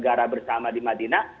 negara bersama di madinah